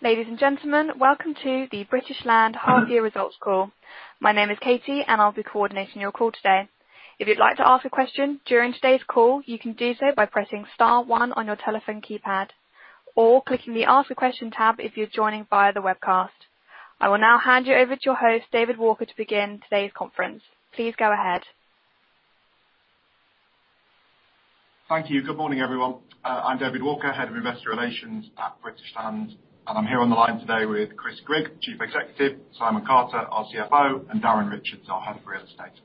Ladies and gentlemen, welcome to the British Land Half Year Results Call. My name is Katie, and I'll be coordinating your call today. If you'd like to ask a question during today's call, you can do so by pressing star one on your telephone keypad or clicking the Ask a Question tab if you're joining via the webcast. I will now hand you over to your host, David Walker, to begin today's conference. Please go ahead. Thank you. Good morning, everyone. I'm David Walker, Head of Investor Relations at British Land, and I'm here on the line today with Chris Grigg, Chief Executive, Simon Carter, our CFO, and Darren Richards, our Head of Real Estate.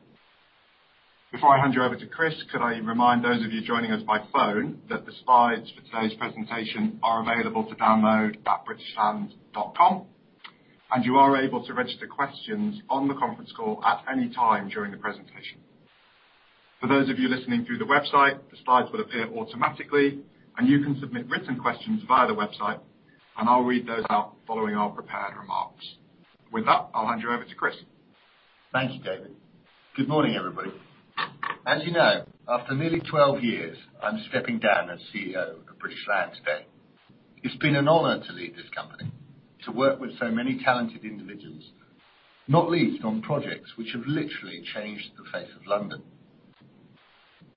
Before I hand you over to Chris, could I remind those of you joining us by phone that the slides for today's presentation are available to download at britishland.com, and you are able to register questions on the conference call at any time during the presentation. For those of you listening through the website, the slides will appear automatically, and you can submit written questions via the website, and I'll read those out following our prepared remarks. With that, I'll hand you over to Chris. Thank you, David. Good morning, everybody. As you know, after nearly 12 years, I'm stepping down as CEO of British Land today. It's been an honor to lead this company, to work with so many talented individuals, not least on projects which have literally changed the face of London.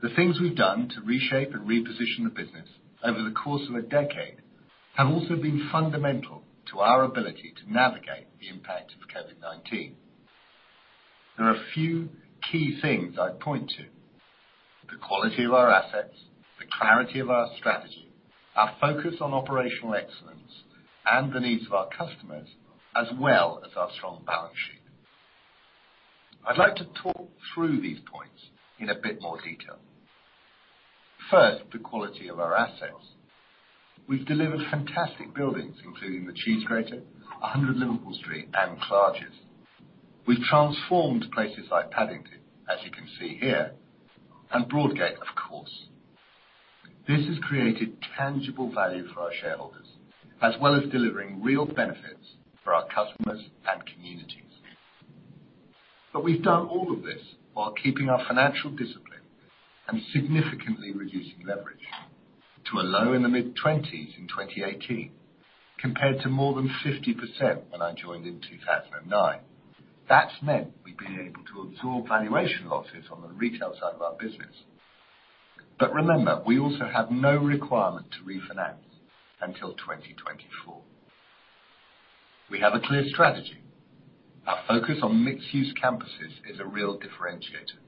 The things we've done to reshape and reposition the business over the course of a decade have also been fundamental to our ability to navigate the impact of COVID-19. There are a few key things I'd point to. The quality of our assets, the clarity of our strategy, our focus on operational excellence and the needs of our customers, as well as our strong balance sheet. I'd like to talk through these points in a bit more detail. First, the quality of our assets. We've delivered fantastic buildings, including the Cheese Grater, 100 Liverpool Street, and Clarges. We've transformed places like Paddington, as you can see here, and Broadgate, of course. This has created tangible value for our shareholders, as well as delivering real benefits for our customers and communities. We've done all of this while keeping our financial discipline and significantly reducing leverage to a low in the mid-20s in 2018, compared to more than 50% when I joined in 2009. That's meant we've been able to absorb valuation losses on the retail side of our business. Remember, we also have no requirement to refinance until 2024. We have a clear strategy. Our focus on mixed-use campuses is a real differentiator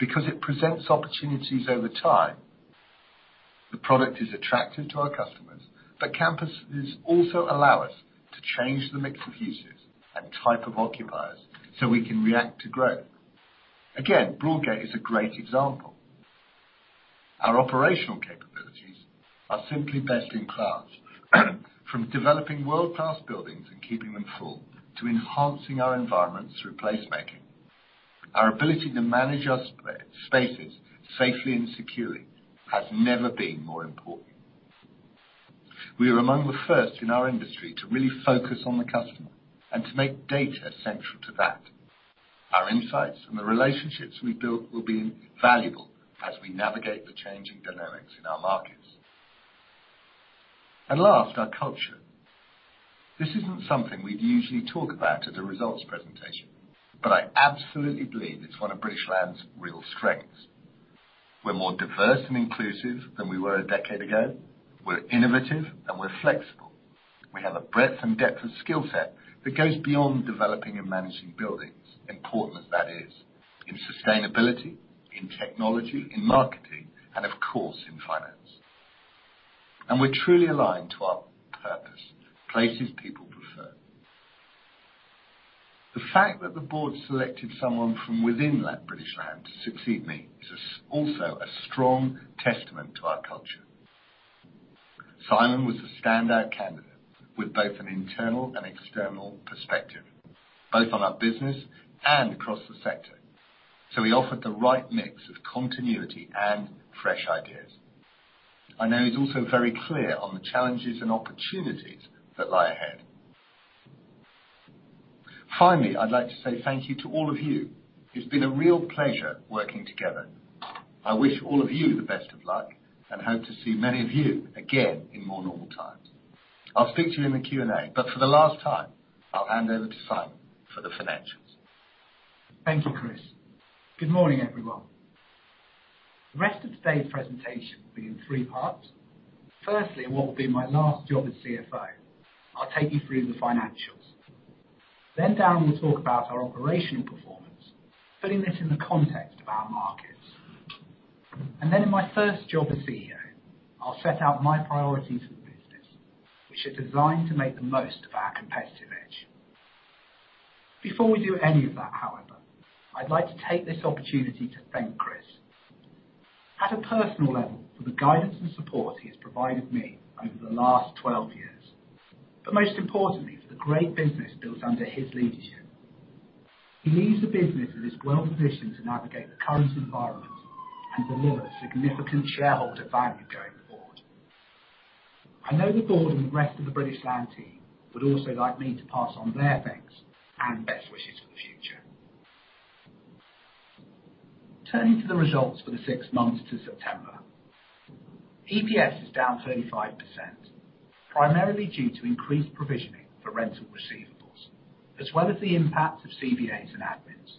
because it presents opportunities over time. The product is attractive to our customers, but campuses also allow us to change the mix of uses and type of occupiers so we can react to growth. Again, Broadgate is a great example. Our operational capabilities are simply best in class. From developing world-class buildings and keeping them full, to enhancing our environments through placemaking. Our ability to manage our spaces safely and securely has never been more important. We are among the first in our industry to really focus on the customer and to make data central to that. Our insights and the relationships we've built will be invaluable as we navigate the changing dynamics in our markets. Last, our culture. This isn't something we'd usually talk about at a results presentation, but I absolutely believe it's one of British Land's real strengths. We're more diverse and inclusive than we were a decade ago. We're innovative and we're flexible. We have a breadth and depth of skill set that goes beyond developing and managing buildings, important as that is, in sustainability, in technology, in marketing, and of course, in finance. We're truly aligned to our purpose, places people prefer. The fact that the board selected someone from within British Land to succeed me is also a strong testament to our culture. Simon was a standout candidate with both an internal and external perspective, both on our business and across the sector. He offered the right mix of continuity and fresh ideas. I know he's also very clear on the challenges and opportunities that lie ahead. Finally, I'd like to say thank you to all of you. It's been a real pleasure working together. I wish all of you the best of luck and hope to see many of you again in more normal times. I'll speak to you in the Q&A, but for the last time, I'll hand over to Simon for the financials. Thank you, Chris. Good morning, everyone. The rest of today's presentation will be in three parts. Firstly, what will be my last job as CFO, I'll take you through the financials. Darren will talk about our operational performance, putting this in the context of our markets. In my first job as CEO, I'll set out my priorities for the business, which are designed to make the most of our competitive edge. Before we do any of that, however, I'd like to take this opportunity to thank Chris. At a personal level, for the guidance and support he has provided me over the last 12 years, but most importantly, for the great business built under his leadership. He leaves the business that is well-positioned to navigate the current environment and deliver significant shareholder value going forward. I know the board and the rest of the British Land team would also like me to pass on their thanks and best wishes to the chair. Turning to the results for the six months to September. EPS is down 35%, primarily due to increased provisioning for rental receivables, as well as the impact of CVAs and admins.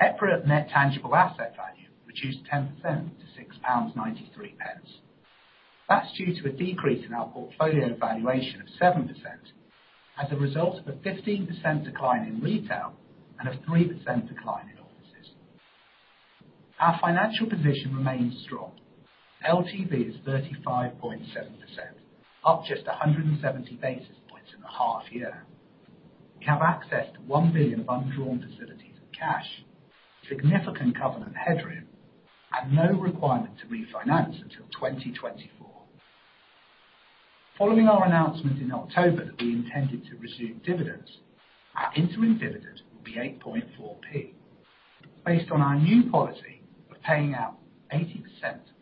EPRA net tangible asset value reduced 10% to 6.93 pounds. That's due to a decrease in our portfolio valuation of 7% as a result of a 15% decline in retail and a 3% decline in offices. Our financial position remains strong. LTV is 35.7%, up just 170 basis points in the half year. We have access to 1 billion of undrawn facilities and cash, significant covenant headroom, and no requirement to refinance until 2024. Following our announcement in October that we intended to resume dividends, our interim dividend will be 0.084. Based on our new policy of paying out 80%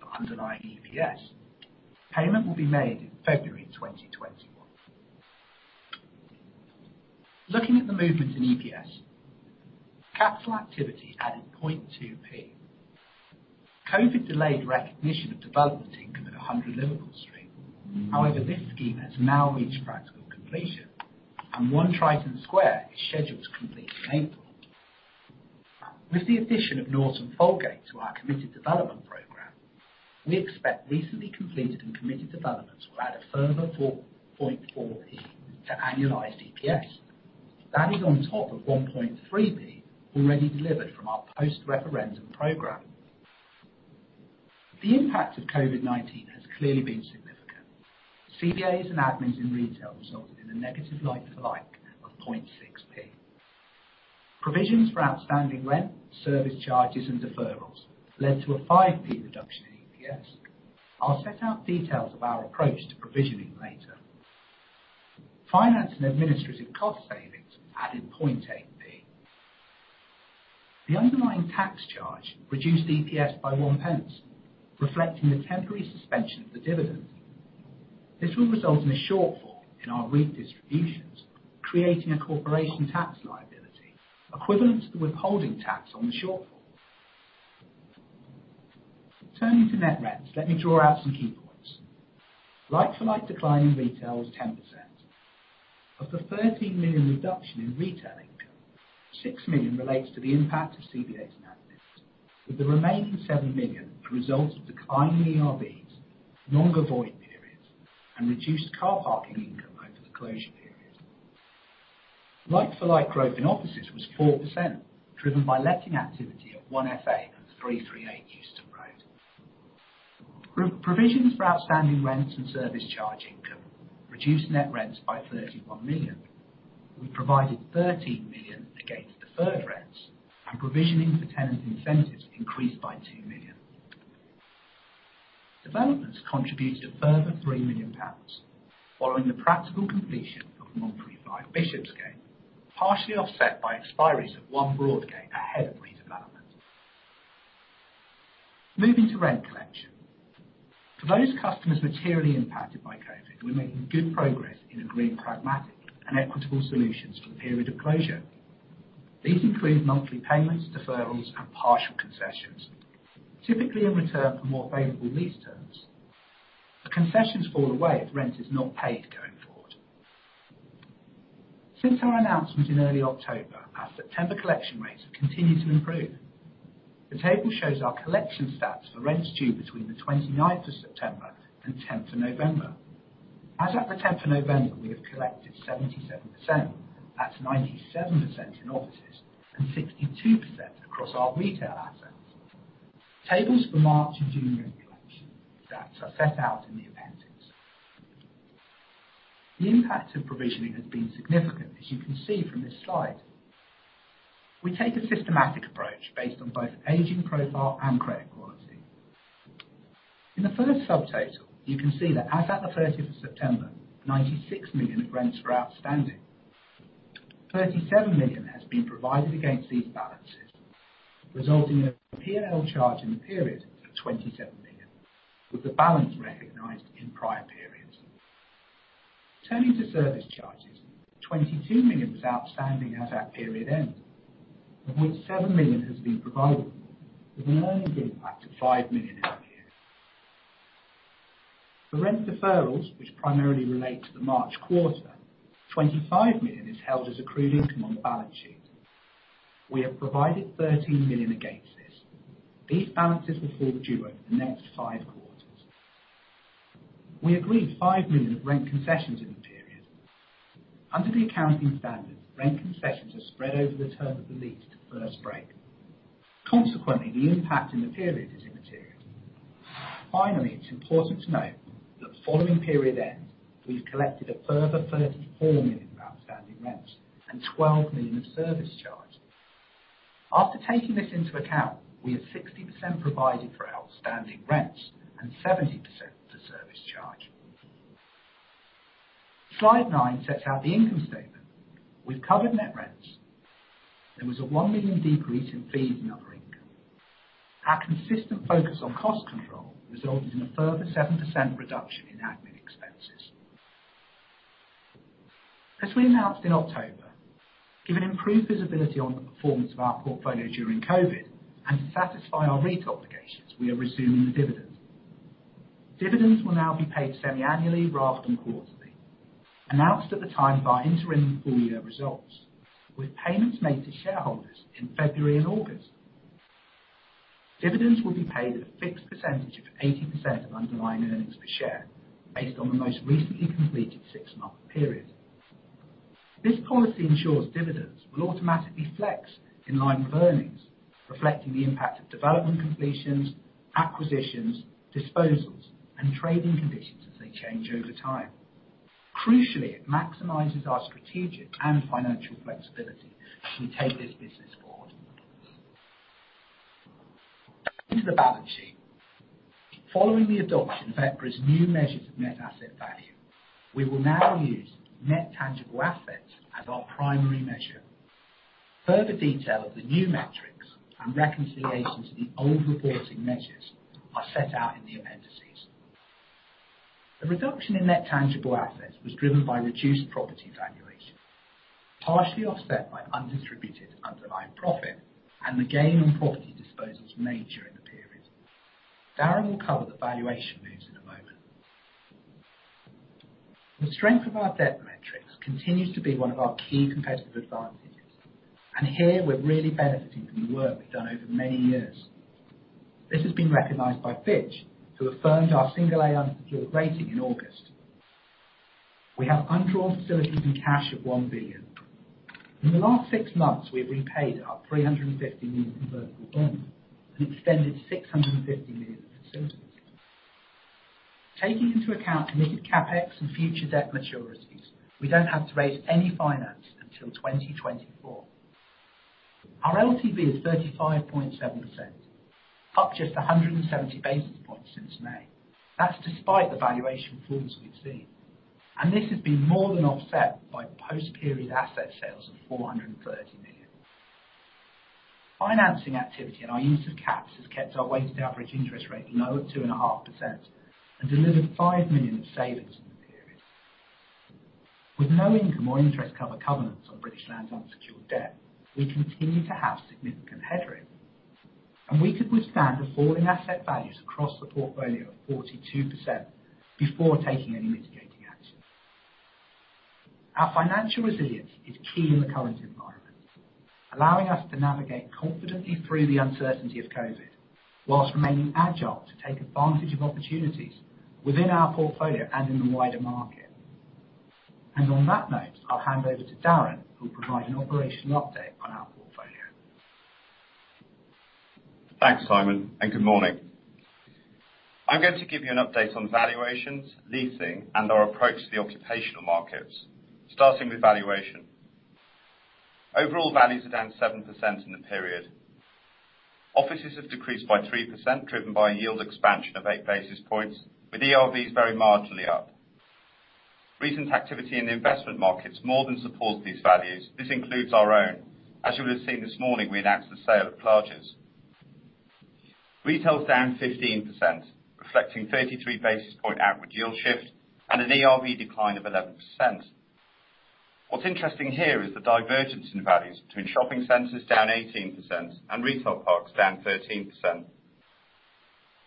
of underlying EPS, payment will be made in February 2021. Looking at the movement in EPS, capital activity added GBP 0.2p. COVID delayed recognition of development income at 100 Liverpool Street. However, this scheme has now reached practical completion and One Triton Square is scheduled to complete in April. With the addition of Norton Folgate to our committed development program, we expect recently completed and committed developments will add a further GBP 4.4p to annualized EPS. That is on top of GBP 1.3p already delivered from our post-referendum program. The impact of COVID-19 has clearly been significant. CVAs and admins in retail resulted in a negative like-for-like of GBP 0.6p. Provisions for outstanding rent, service charges, and deferrals led to a GBP 5p reduction in EPS. I'll set out details of our approach to provisioning later. Finance and administrative cost savings added GBP 0.8p. The underlying tax charge reduced EPS by 0.01, reflecting the temporary suspension of the dividend. This will result in a shortfall in our re-distributions, creating a corporation tax liability equivalent to the withholding tax on the shortfall. Turning to net rents, let me draw out some key points. Like-for-like decline in retail is 10%. Of the 13 million reduction in retail income, 6 million relates to the impact of CVAs and admins, with the remaining 7 million the result of declining ERVs, longer void periods, and reduced car parking income over the closure period. Like-for-like growth in offices was 4%, driven by letting activity at 1FA and 338 Euston Road. Provisions for outstanding rents and service charge income reduced net rents by 31 million. We provided 13 million against deferred rents and provisioning for tenant incentives increased by 2 million. Developments contributed a further 3 million pounds following the practical completion of 135 Bishopsgate, partially offset by expiries at One Broadgate ahead of redevelopment. Moving to rent collection. For those customers materially impacted by COVID, we're making good progress in agreeing pragmatic and equitable solutions for the period of closure. These include monthly payments, deferrals, and partial concessions, typically in return for more favorable lease terms. The concessions fall away if rent is not paid going forward. Since our announcement in early October, our September collection rates have continued to improve. The table shows our collection stats for rents due between the 29th of September and 10th of November. As at the 10th of November, we have collected 77%. That's 97% in offices and 62% across our retail assets. Tables for March and June rent collection stats are set out in the appendix. The impact of provisioning has been significant, as you can see from this slide. We take a systematic approach based on both aging profile and credit quality. In the first subtotal, you can see that as at the 30th of September, 96 million of rents were outstanding. 37 million has been provided against these balances, resulting in a P&L charge in the period of 27 million, with the balance recognized in prior periods. Turning to service charges, 22 million was outstanding as at period end, of which 7 million has been provided, with an earning impact of 5 million in the year. For rent deferrals, which primarily relate to the March quarter, 25 million is held as accrued income on the balance sheet. We have provided 13 million against this. These balances will fall due over the next five quarters. We agreed 5 million of rent concessions in the period. Under the accounting standards, rent concessions are spread over the term of the lease to first break. Consequently, the impact in the period is immaterial. Finally, it's important to note that following period end, we've collected a further 34 million of outstanding rents and 12 million of service charges. After taking this into account, we have 60% provided for outstanding rents and 70% for service charges. Slide nine sets out the income statement. We've covered net rents. There was a 1 million decrease in fees and other income. Our consistent focus on cost control resulted in a further 7% reduction in admin expenses. As we announced in October, given improved visibility on the performance of our portfolio during COVID, and to satisfy our REIT obligations, we are resuming the dividend. Dividends will now be paid semi-annually rather than quarterly, announced at the time of our interim and full-year results, with payments made to shareholders in February and August. Dividends will be paid at a fixed percentage of 80% of underlying earnings per share, based on the most recently completed six month period. This policy ensures dividends will automatically flex in line with earnings, reflecting the impact of development completions, acquisitions, disposals, and trading conditions as they change over time. Crucially, it maximizes our strategic and financial flexibility as we take this business forward. On to the balance sheet. Following the adoption of EPRA's new measures of net asset value, we will now use net tangible assets as our primary measure. Further detail of the new metrics and reconciliation to the old reporting measures are set out in the appendices. The reduction in net tangible assets was driven by reduced property valuations, partially offset by undistributed underlying profit and the gain on property disposals made during the period. Darren will cover the valuation moves in a moment. The strength of our debt metrics continues to be one of our key competitive advantages, and here we're really benefiting from the work we've done over many years. This has been recognized by Fitch, who affirmed our single A unsecured rating in August. We have undrawn facilities and cash of 1 billion. In the last six months, we have repaid our 350 million convertible bonds and extended 650 million of facilities. Taking into account committed CapEx and future debt maturities, we don't have to raise any finances until 2024. Our LTV is 35.7%, up just 170 basis points since May. That's despite the valuation falls we've seen. This has been more than offset by post-period asset sales of 430 million. Financing activity and our use of caps has kept our weighted average interest rate low at 2.5% and delivered 5 million of savings in the period. With no income or interest cover covenants on British Land's unsecured debt, we continue to have significant headroom, and we could withstand the falling asset values across the portfolio of 42% before taking any mitigating action. Our financial resilience is key in the current environment, allowing us to navigate confidently through the uncertainty of COVID, whilst remaining agile to take advantage of opportunities within our portfolio and in the wider market. On that note, I'll hand over to Darren, who'll provide an operational update on our portfolio. Thanks, Simon. Good morning. I'm going to give you an update on valuations, leasing, and our approach to the occupational markets, starting with valuation. Overall values are down 7% in the period. Offices have decreased by 3%, driven by a yield expansion of 8 basis points, with ERVs very marginally up. Recent activity in the investment markets more than supports these values. This includes our own. As you would have seen this morning, we announced the sale of Clarges. Retail is down 15%, reflecting 33 basis point outward yield shift and an ERV decline of 11%. What's interesting here is the divergence in values between shopping centers, down 18%, and retail parks, down 13%.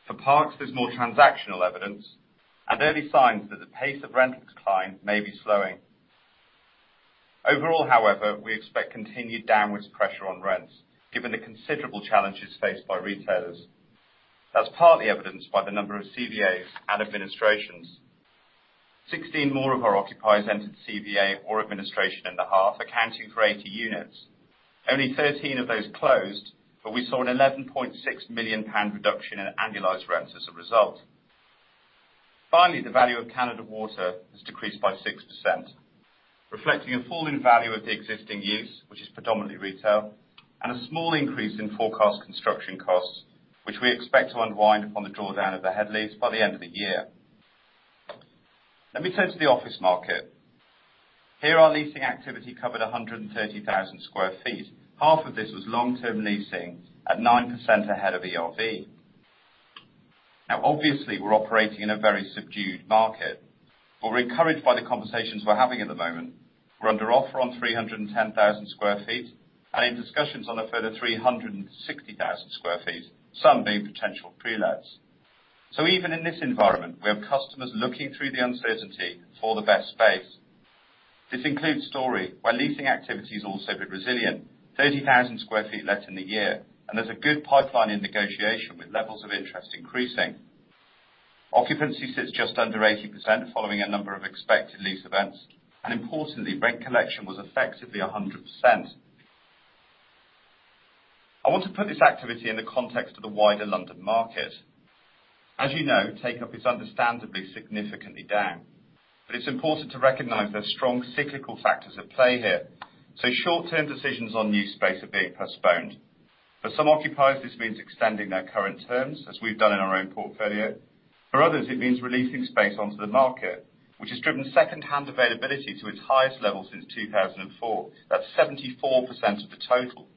For parks, there's more transactional evidence and early signs that the pace of rental decline may be slowing. Overall, however, we expect continued downwards pressure on rents, given the considerable challenges faced by retailers. That's partly evidenced by the number of CVAs and administrations. 16 more of our occupiers entered CVA or administration in the half, accounting for 80 units. Only 13 of those closed, but we saw a 11.6 million pound reduction in annualized rents as a result. Finally, the value of Canada Water has decreased by 6%, reflecting a fall in value of the existing use, which is predominantly retail, and a small increase in forecast construction costs, which we expect to unwind on the drawdown of the head lease by the end of the year. Let me turn to the office market. Here, our leasing activity covered 130,000 sq ft. Half of this was long-term leasing at 9% ahead of ERV. Obviously, we're operating in a very subdued market. We're encouraged by the conversations we're having at the moment. We're under offer on 310,000 sq ft and in discussions on a further 360,000 sq ft, some being potential pre-lets. Even in this environment, we have customers looking through the uncertainty for the best space. This includes Storey, where leasing activity has also been resilient. 30,000 sq ft let in the year, and there's a good pipeline in negotiation, with levels of interest increasing. Occupancy sits just under 80% following a number of expected lease events. Importantly, rent collection was effectively 100%. I want to put this activity in the context of the wider London market. As you know, take-up is understandably significantly down, but it's important to recognize there's strong cyclical factors at play here. Short-term decisions on new space are being postponed. For some occupiers, this means extending their current terms, as we've done in our own portfolio. For others, it means releasing space onto the market, which has driven secondhand availability to its highest level since 2004. That's 74% of the total.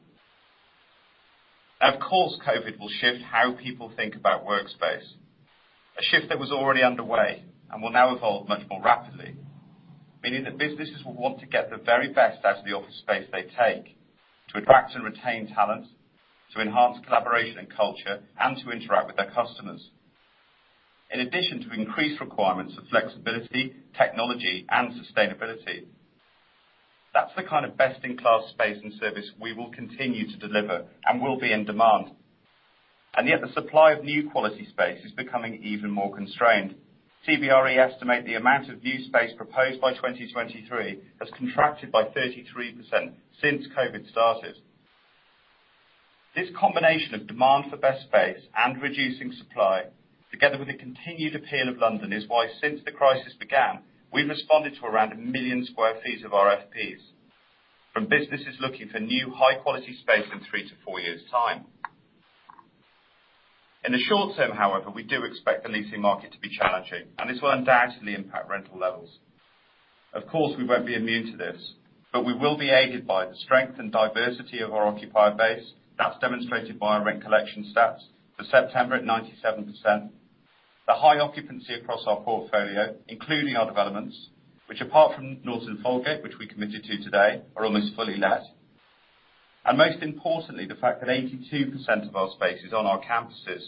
Of course, COVID will shift how people think about workspace. A shift that was already underway and will now evolve much more rapidly, meaning that businesses will want to get the very best out of the office space they take to attract and retain talent, to enhance collaboration and culture, and to interact with their customers. In addition to increased requirements of flexibility, technology, and sustainability, that's the kind of best-in-class space and service we will continue to deliver and will be in demand. Yet the supply of new quality space is becoming even more constrained. CBRE estimate the amount of new space proposed by 2023 has contracted by 33% since COVID started. This combination of demand for best space and reducing supply, together with the continued appeal of London, is why since the crisis began, we responded to around 1 million sq ft of RFPs from businesses looking for new high-quality space in three to four years' time. In the short term, however, we do expect the leasing market to be challenging, and this will undoubtedly impact rental levels. We won't be immune to this, but we will be aided by the strength and diversity of our occupied base that's demonstrated by our rent collection stats for September at 97%, the high occupancy across our portfolio, including our developments, which apart from Norton Folgate, which we committed to today, are almost fully let, and most importantly, the fact that 82% of our space is on our campuses,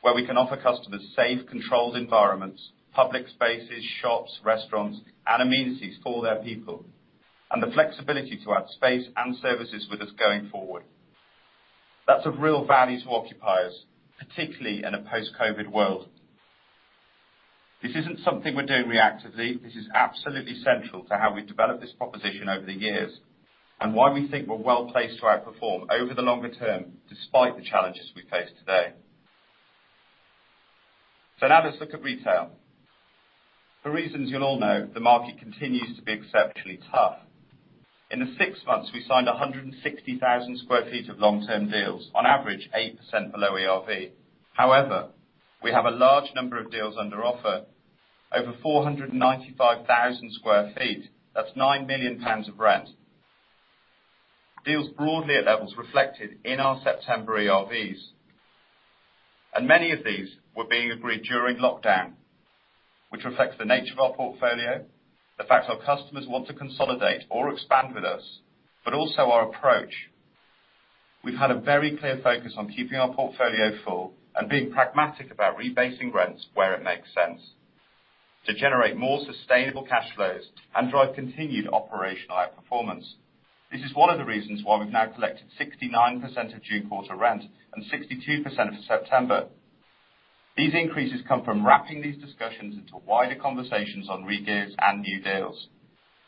where we can offer customers safe, controlled environments, public spaces, shops, restaurants, and amenities for their people, and the flexibility to add space and services with us going forward. That's of real value to occupiers, particularly in a post-COVID world. This isn't something we're doing reactively. This is absolutely central to how we've developed this proposition over the years and why we think we're well-placed to outperform over the longer term, despite the challenges we face today. Now let's look at retail. For reasons you'll all know, the market continues to be exceptionally tough. In the six months, we signed 160,000 sq ft of long-term deals, on average 8% below ERV. However, we have a large number of deals under offer, over 495,000 sq ft. That's 9 million pounds of rent. Deals broadly at levels reflected in our September ERVs. Many of these were being agreed during lockdown, which reflects the nature of our portfolio, the fact our customers want to consolidate or expand with us, but also our approach. We've had a very clear focus on keeping our portfolio full and being pragmatic about rebasing rents where it makes sense to generate more sustainable cash flows and drive continued operational outperformance. This is one of the reasons why we've now collected 69% of June quarter rent and 62% of September. These increases come from wrapping these discussions into wider conversations on regears and new deals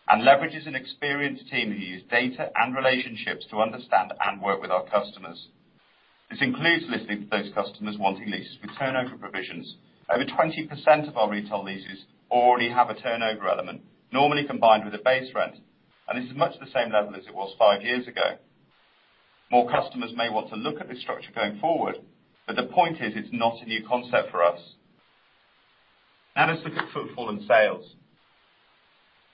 and leverages an experienced team who use data and relationships to understand and work with our customers. This includes listening to those customers wanting leases with turnover provisions. Over 20% of our retail leases already have a turnover element, normally combined with a base rent, and this is much the same level as it was five years ago. The point is, it's not a new concept for us. Let's look at footfall and sales.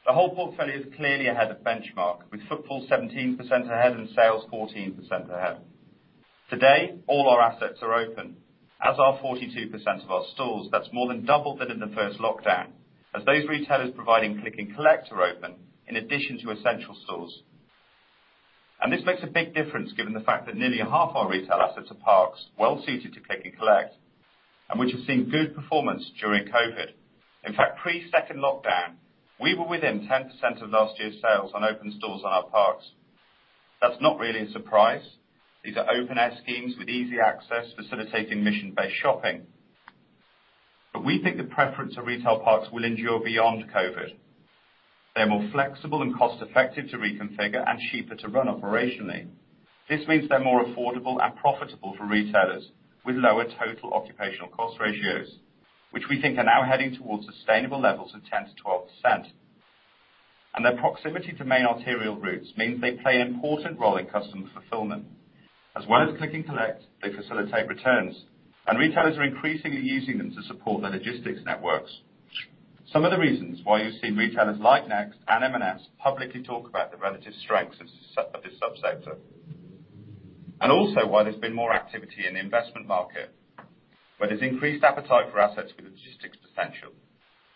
The whole portfolio is clearly ahead of benchmark, with footfall 17% ahead and sales 14% ahead. Today, all our assets are open, as are 42% of our stores. That's more than double that in the first lockdown, as those retailers providing click and collect are open, in addition to essential stores. This makes a big difference given the fact that nearly half our retail assets are parks, well-suited to click and collect, and which have seen good performance during COVID. In fact, pre second lockdown, we were within 10% of last year's sales on open stores on our parks. That's not really a surprise. These are open-air schemes with easy access, facilitating mission-based shopping. We think the preference of retail parks will endure beyond COVID. They're more flexible and cost-effective to reconfigure and cheaper to run operationally. This means they're more affordable and profitable for retailers with lower total occupational cost ratios, which we think are now heading towards sustainable levels of 10%-12%. Their proximity to main arterial routes means they play an important role in customer fulfillment. As well as click and collect, they facilitate returns, and retailers are increasingly using them to support their logistics networks. Some of the reasons why you see retailers like Next and M&S publicly talk about the relative strengths of this subsector, and also why there's been more activity in the investment market, where there's increased appetite for assets with logistics potential,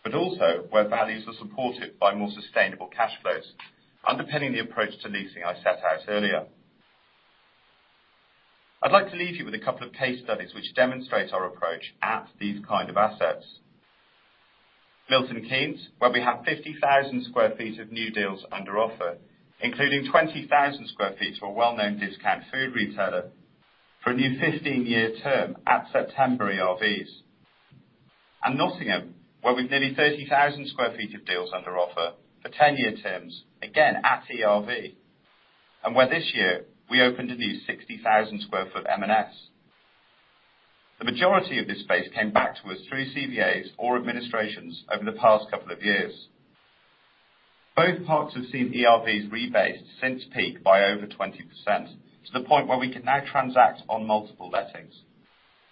but also where values are supported by more sustainable cash flows, underpinning the approach to leasing I set out earlier. I'd like to leave you with a couple of case studies which demonstrate our approach at these kind of assets. Milton Keynes, where we have 50,000 sq ft of new deals under offer, including 20,000 sq ft to a well-known discount food retailer for a new 15-year term at September ERVs. Nottingham, where we've nearly 30,000 sq ft of deals under offer for 10-year terms, again, at ERV, and where this year we opened a new 60,000 sq ft M&S. The majority of this space came back to us through CVAs or administrations over the past couple of years. Both parks have seen ERVs rebased since peak by over 20%, to the point where we can now transact on multiple lettings.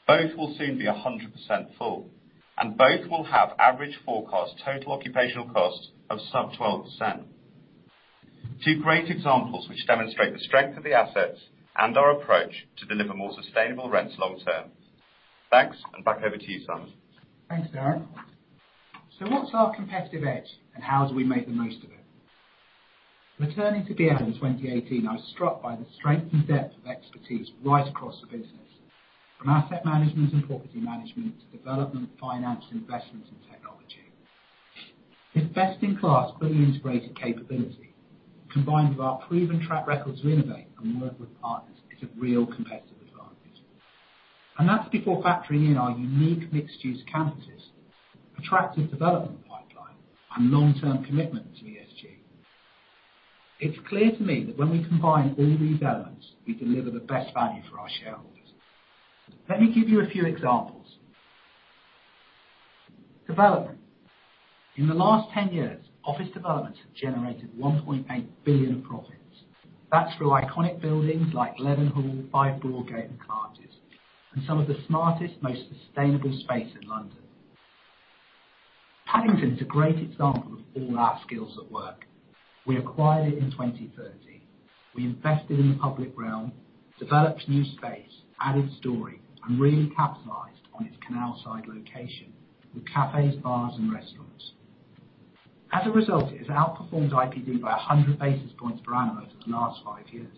Both will soon be 100% full, and both will have average forecast total occupational costs of sub 12%. Two great examples which demonstrate the strength of the assets and our approach to deliver more sustainable rents long term. Thanks, and back over to you, Simon. Thanks, Darren. What's our competitive edge, and how do we make the most of it? Returning to BL in 2018, I was struck by the strength and depth of expertise right across the business, from asset management and property management, to development, finance, investments, and technology. This best-in-class, fully integrated capability, combined with our proven track record to innovate and work with partners, is a real competitive advantage. That's before factoring in our unique mixed-use campuses, attractive development pipeline, and long-term commitment to ESG. It's clear to me that when we combine all these elements, we deliver the best value for our shareholders. Let me give you a few examples. Development. In the last 10 years, office developments have generated 1.8 billion of profits. That's through iconic buildings like Leadenhall, 5 Broadgate, and Clarges, and some of the smartest, most sustainable space in London. Paddington is a great example of all our skills at work. We acquired it in 2013. We invested in the public realm, developed new space, added Storey, and really capitalized on its canal-side location with cafes, bars, and restaurants. As a result, it has outperformed IPD by 100 basis points per annum over the last five years.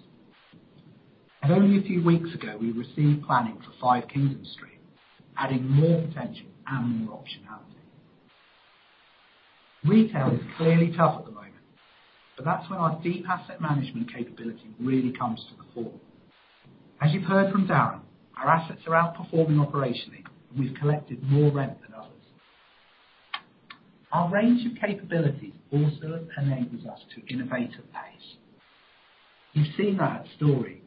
Only a few weeks ago, we received planning for 5 Kingdom Street, adding more potential and more optionality. Retail is clearly tough at the moment, but that's where our deep asset management capability really comes to the fore. As you've heard from Darren, our assets are outperforming operationally, and we've collected more rent than others. Our range of capabilities also enables us to innovate at pace. You've seen that at Storey,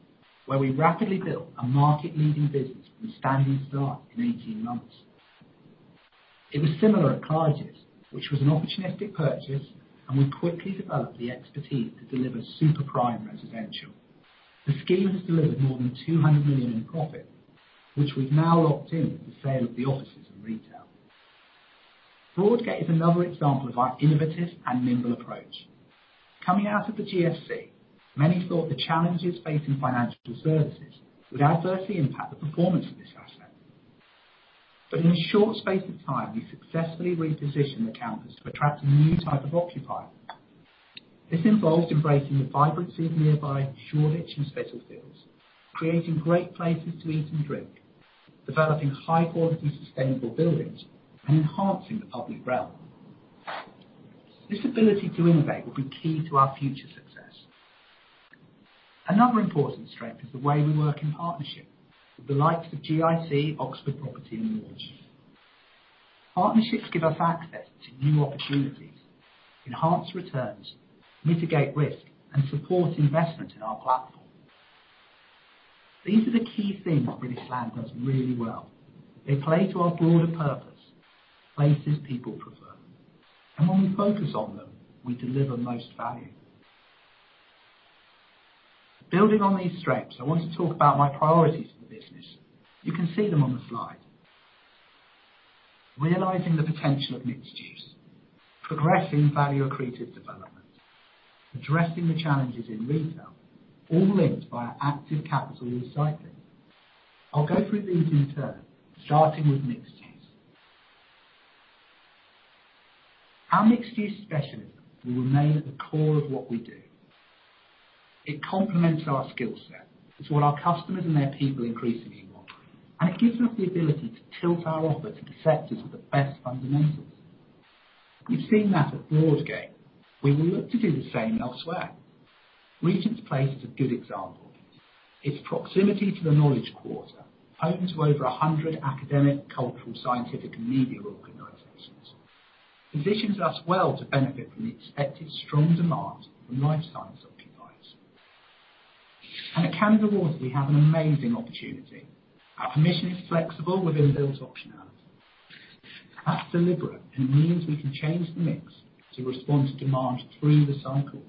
where we rapidly built a market-leading business from standing start in 18 months. It was similar at Clarges, which was an opportunistic purchase, and we quickly developed the expertise to deliver super prime residential. The scheme has delivered more than 200 million in profit, which we've now locked in with the sale of the offices and retail. Broadgate is another example of our innovative and nimble approach. Coming out of the GFC, many thought the challenges facing financial services would adversely impact the performance of this asset. In a short space of time, we successfully repositioned the campus to attract a new type of occupier. This involved embracing the vibrancy of nearby Shoreditch and Spitalfields, creating great places to eat and drink, developing high-quality, sustainable buildings, and enhancing the public realm. This ability to innovate will be key to our future success. Another important strength is the way we work in partnership with the likes of GIC, Oxford Properties, and others. Partnerships give us access to new opportunities, enhance returns, mitigate risk, and support investment in our platform. These are the key things British Land does really well. They play to our broader purpose, places people prefer. When we focus on them, we deliver the most value. Building on these strengths, I want to talk about my priorities for the business. You can see them on the slide. Realizing the potential of mixed-use, progressing value-accretive development, addressing the challenges in retail, all linked by active capital recycling. I'll go through these in turn, starting with mixed-use. Our mixed-use specialism will remain at the core of what we do. It complements our skill set. It's what our customers and their people increasingly want, and it gives us the ability to tilt our offer to the sectors with the best fundamentals. We've seen that at Broadgate. We will look to do the same elsewhere. Regent's Place is a good example. Its proximity to the Knowledge Quarter, home to over 100 academic, cultural, scientific, and media organizations, positions us well to benefit from the expected strong demand from life science occupiers. At Canada Water, we have an amazing opportunity. Our permission is flexible within built optionality. That's deliberate and means we can change the mix to respond to demand through the cycle.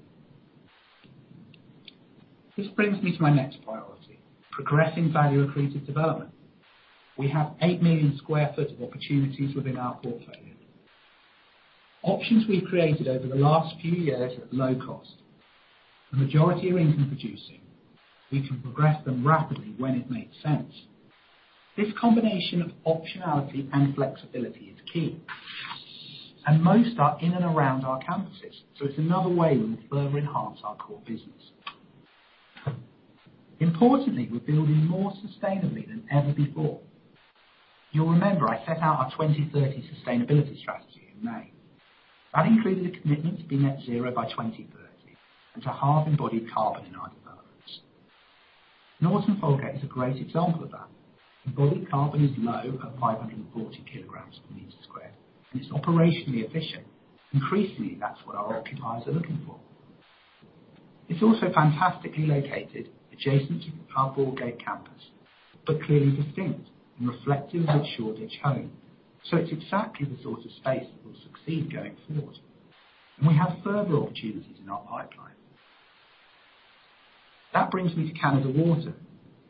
This brings me to my next priority, progressing value-accretive development. We have 8 million sq ft of opportunities within our portfolio. Options we've created over the last few years at low cost. The majority are income producing. We can progress them rapidly when it makes sense. This combination of optionality and flexibility is key. Most are in and around our campuses, so it's another way we'll further enhance our core business. Importantly, we're building more sustainably than ever before. You'll remember I set out our 2030 sustainability strategy in May. That included a commitment to be net zero by 2030 and to halve embodied carbon in our developments. Norton Folgate is a great example of that. Embodied carbon is low at 540 kg per sq m, and it's operationally efficient. Increasingly, that's what our occupiers are looking for. It's also fantastically located adjacent to our Broadgate campus, clearly distinct and reflective of its Shoreditch home. It's exactly the sort of space that will succeed going forward. We have further opportunities in our pipeline. That brings me to Canada Water.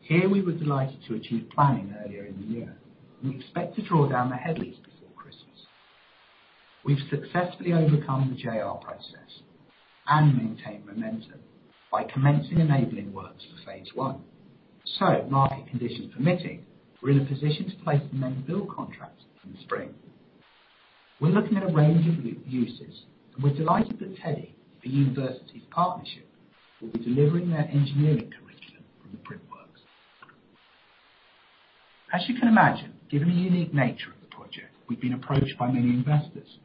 Here we were delighted to achieve planning earlier in the year, we expect to draw down the head lease before Christmas. We've successfully overcome the JR process and maintained momentum by commencing enabling works for phase I. Market conditions permitting, we're in a position to place the main build contracts in the spring. We're looking at a range of uses, and we're delighted that TEDI-London, a university partnership, will be delivering their engineering curriculum from the Printworks. As you can imagine, given the unique nature of the project, we've been approached by many investors.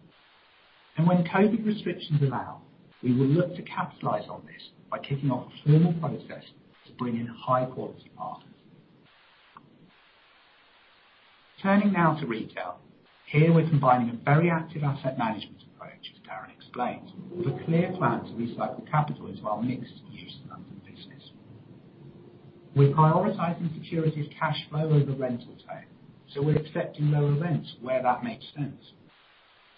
When COVID restrictions allow, we will look to capitalize on this by kicking off a formal process to bring in high-quality partners. Turning now to retail. Here we're combining a very active asset management approach, as Darren explained, with a clear plan to recycle capital into our mixed-use London business. We're prioritizing security of cash flow over rental tone, so we're accepting lower rents where that makes sense.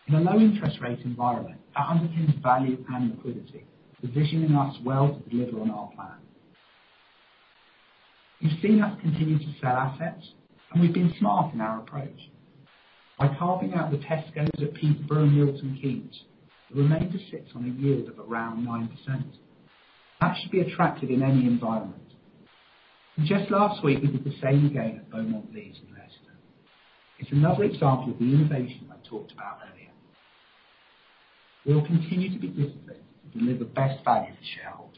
In a low interest rate environment, that underpins value and liquidity, positioning us well to deliver on our plan. You've seen us continue to sell assets, and we've been smart in our approach. By carving out the Tesco at Peterborough and Milton Keynes, the remainder sits on a yield of around 9%. That should be attractive in any environment. Just last week, we did the same again at Beaumont Leys in Leicester. It's another example of the innovation I talked about earlier. We will continue to be disciplined to deliver best value for shareholders.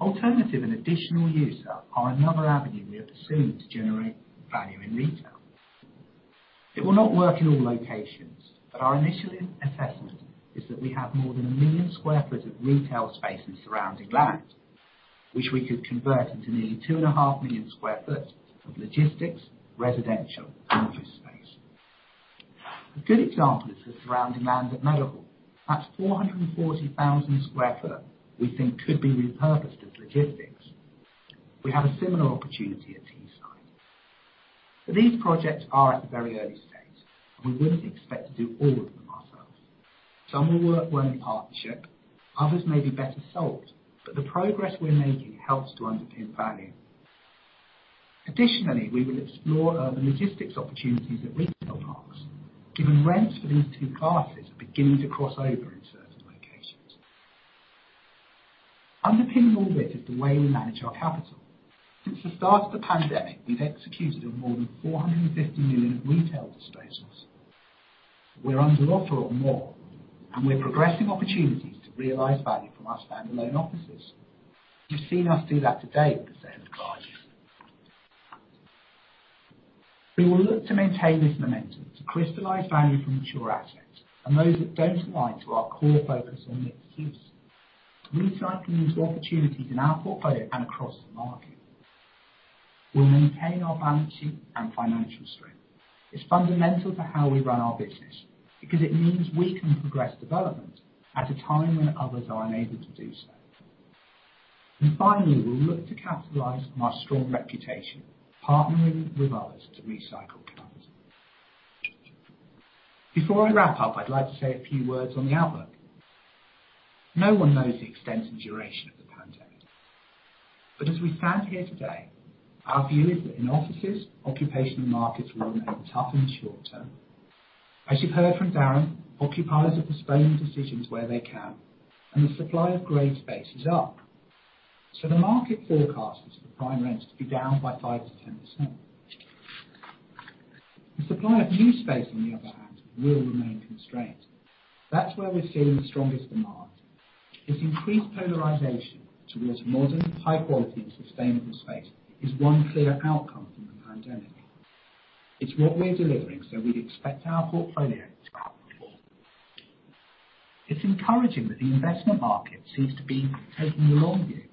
Alternative and additional user are another avenue we are pursuing to generate value in retail. It will not work in all locations, but our initial assessment is that we have more than 1 million sq ft of retail space and surrounding land, which we could convert into nearly 2.5 million sq ft of logistics, residential, and office space. A good example is the surrounding land at Meadowhall. That's 440,000 sq ft we think could be repurposed as logistics. We have a similar opportunity at Teesside. These projects are at the very early stage, and we wouldn't expect to do all of them ourselves. Some will work well in partnership, others may be better sold, but the progress we're making helps to underpin value. Additionally, we will explore urban logistics opportunities at retail parks, given rents for these two classes are beginning to cross over in certain locations. Underpinning all this is the way we manage our capital. Since the start of the pandemic, we've executed on more than 450 million of retail disposals. We're under offer on more, and we're progressing opportunities to realize value from our standalone offices. You've seen us do that to date with the sale of Group's Charity. We will look to maintain this momentum to crystallize value from mature assets and those that don't align to our core focus on mixed-use, recycling these opportunities in our portfolio and across the market. We'll maintain our balance sheet and financial strength. It's fundamental to how we run our business because it means we can progress development at a time when others are unable to do so. Finally, we'll look to capitalize on our strong reputation, partnering with others to recycle capital. Before I wrap up, I'd like to say a few words on the outlook. No one knows the extent and duration of the pandemic. As we stand here today, our view is that in offices, occupational markets will remain tough in the short term. As you've heard from Darren, occupiers are postponing decisions where they can, and the supply of grade A space is up. The market forecast is for prime rents to be down by 5%-10%. The supply of new space, on the other hand, will remain constrained. That's where we're seeing the strongest demand. This increased polarization towards modern, high quality, and sustainable space is one clear outcome from the pandemic. It's what we're delivering, we'd expect our portfolio to come before. It's encouraging that the investment market seems to be taking the long view.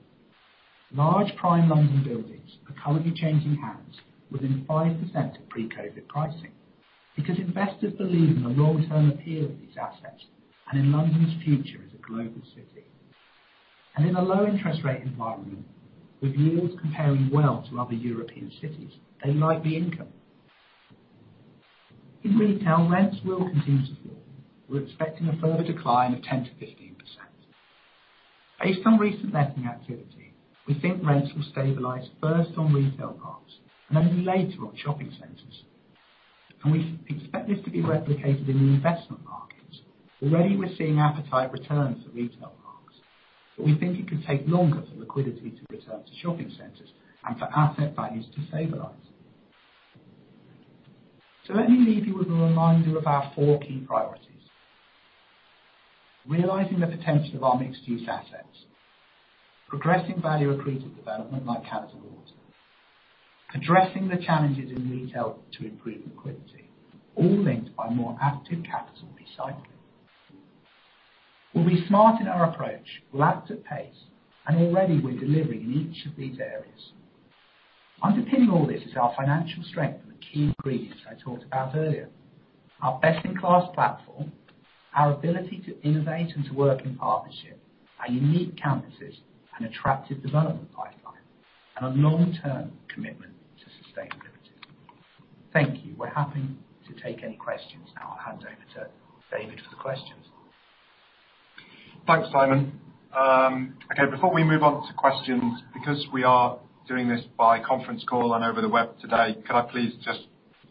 Large prime London buildings are currently changing hands within 5% of pre-COVID pricing because investors believe in the long-term appeal of these assets and in London's future as a global city. In a low interest rate environment, with yields comparing well to other European cities, they like the income. In retail, rents will continue to fall. We're expecting a further decline of 10%-15%. Based on recent letting activity, we think rents will stabilize first on retail parks and then later on shopping centers. We expect this to be replicated in the investment markets. Already, we're seeing appetite return for retail parks, but we think it could take longer for liquidity to return to shopping centers and for asset values to stabilize. Let me leave you with a reminder of our four key priorities. Realizing the potential of our mixed-use assets, progressing value accretive development like Canada Water, addressing the challenges in retail to improve liquidity, all linked by more active capital recycling. We'll be smart in our approach. We'll act at pace, already we're delivering in each of these areas. Underpinning all this is our financial strength and the key ingredients I talked about earlier. Our best-in-class platform, our ability to innovate and to work in partnership, our unique campuses and attractive development pipeline, and a long-term commitment to sustainability. Thank you. We're happy to take any questions now. I'll hand over to David for the questions. Thanks, Simon. Okay, before we move on to questions, because we are doing this by conference call and over the web today, can I please just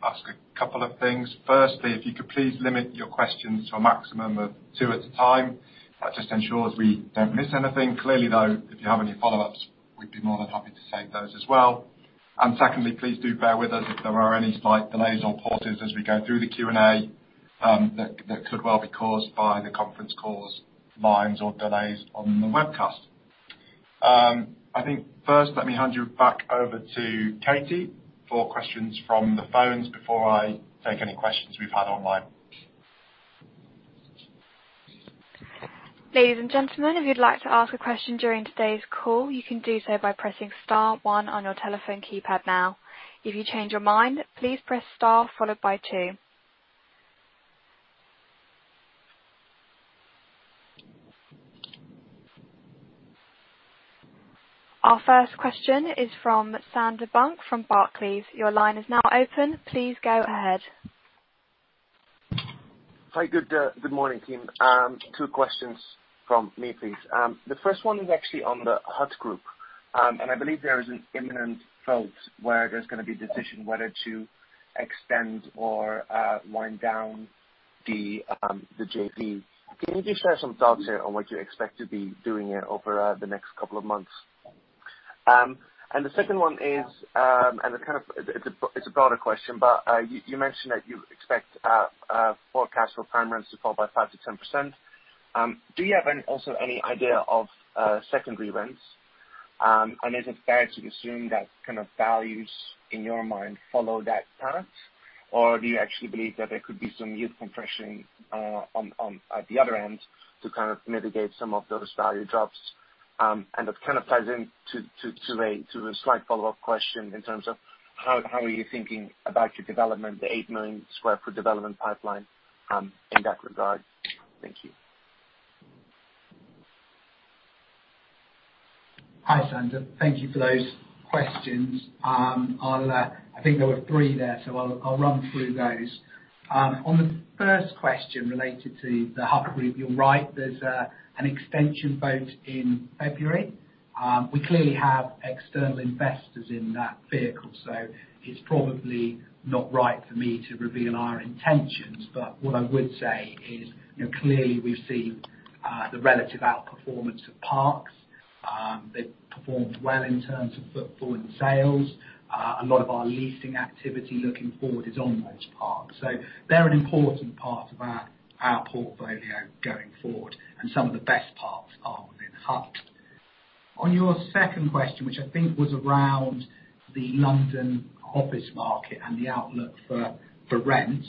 ask a couple of things? Firstly, if you could please limit your questions to a maximum of two at a time. That just ensures we don't miss anything. Clearly, though, if you have any follow-ups, we'd be more than happy to take those as well. Secondly, please do bear with us if there are any slight delays or pauses as we go through the Q&A. That could well be caused by the conference call's lines or delays on the webcast. I think first, let me hand you back over to Katie for questions from the phones before I take any questions we've had online. Our first question is from Sander Bunck from Barclays. Your line is now open. Please go ahead. Hi, good morning, team. Two questions from me, please. The first one is actually on the HUT Group. I believe there is an imminent vote where there's going to be a decision whether to extend or wind down the JV. Can you just share some thoughts here on what you expect to be doing here over the next couple of months? The second one is, and it's a broader question, but you mentioned that you expect forecast for prime rents to fall by 5%-10%. Do you have also any idea of secondary rents? Is it fair to assume that kind of values in your mind follow that pattern? Do you actually believe that there could be some yield compression at the other end to kind of mitigate some of those value drops? That kind of ties into a slight follow-up question in terms of how are you thinking about your development, the 8 million sq ft development pipeline, in that regard. Thank you. Hi, Sander. Thank you for those questions. I think there were three there, so I'll run through those. On the first question related to the HUT Group, you're right. There's an extension vote in February. We clearly have external investors in that vehicle, so it's probably not right for me to reveal our intentions. What I would say is, clearly we've seen the relative outperformance of parks. They've performed well in terms of footfall and sales. A lot of our leasing activity looking forward is on those parks. They're an important part of our portfolio going forward, and some of the best parks are within HUT. On your second question, which I think was around the London office market and the outlook for rents.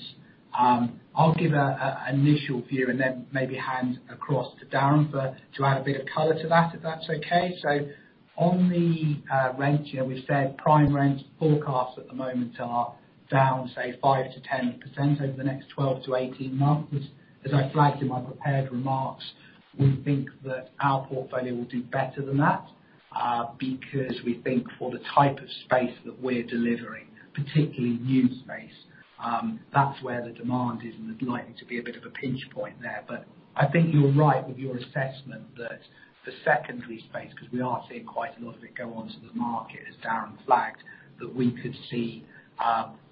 I'll give an initial view and then maybe hand across to Darren to add a bit of color to that, if that's okay. On the rent, we said prime rents forecasts at the moment are down, say, 5% to 10% over the next 12 - 18 months. As I flagged in my prepared remarks, we think that our portfolio will do better than that, because we think for the type of space that we're delivering, particularly new space, that's where the demand is, and there's likely to be a bit of a pinch point there. I think you're right with your assessment that the secondary space, because we are seeing quite a lot of it go onto the market, as Darren flagged, that we could see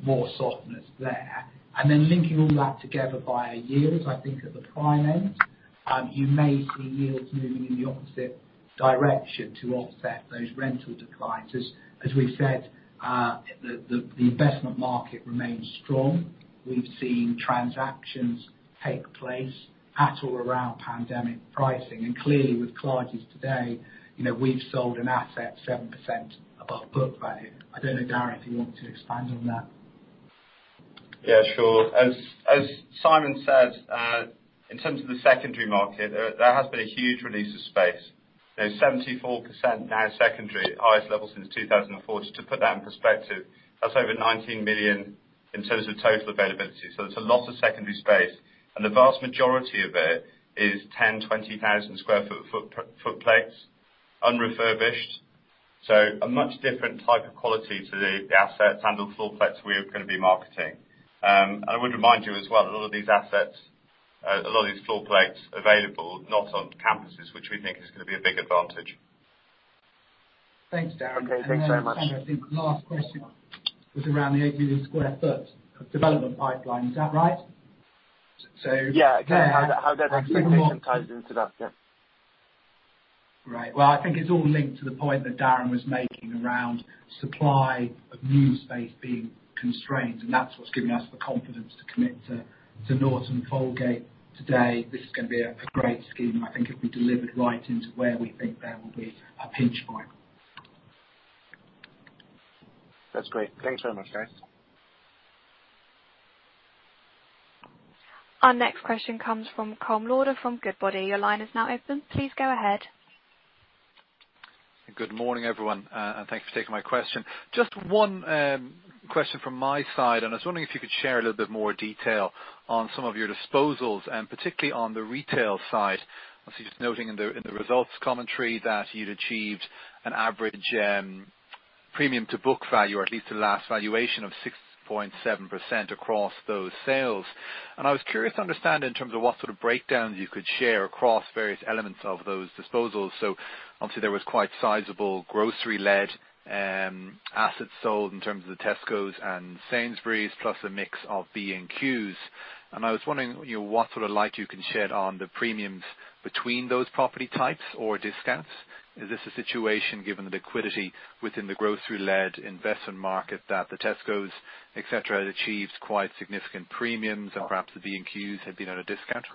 more softness there. Linking all that together by yields, I think at the prime end, you may see yields moving in the opposite direction to offset those rental declines. As we've said, the investment market remains strong. We've seen transactions take place at or around pandemic pricing. Clearly with Clarges today, we've sold an asset 7% above book value. I don't know, Darren, if you want to expand on that. Yeah, sure. As Simon said, in terms of the secondary market, there has been a huge release of space. There's 74% now secondary, highest level since 2014. To put that in perspective, that's over 19 million in terms of total availability. There's a lot of secondary space, and the vast majority of it is 10,000, 20,000 sq ft plates, unrefurbished. A much different type of quality to the assets and the floor plates we're going to be marketing. I would remind you as well, a lot of these assets, a lot of these floor plates available, not on campuses, which we think is going to be a big advantage. Thanks, Darren. Okay. Thanks very much. Then Sander, I think the last question was around the 8 million sq ft of development pipeline. Is that right? Yeah. How does expectation tie into that? Yeah. Right. Well, I think it's all linked to the point that Darren was making around supply of new space being constrained. That's what's given us the confidence to commit to Norton Folgate today. This is going to be a great scheme, I think it'll be delivered right into where we think there will be a pinch point. That's great. Thanks very much, guys. Our next question comes from Colm Lauder from Goodbody. Your line is now open. Please go ahead. Good morning, everyone. Thanks for taking my question. Just one question from my side. I was wondering if you could share a little bit more detail on some of your disposals, and particularly on the retail side. I see you just noting in the results commentary that you'd achieved an average premium to book value, or at least the last valuation of 6.7% across those sales. I was curious to understand in terms of what sort of breakdown you could share across various elements of those disposals. Obviously there was quite sizable grocery-led assets sold in terms of the Tesco and Sainsbury's plus a mix of B&Q. I was wondering what sort of light you can shed on the premiums between those property types or discounts. Is this a situation given the liquidity within the grocery-led investment market that the Tesco, et cetera, had achieved quite significant premiums and perhaps the B&Q had been at a discount?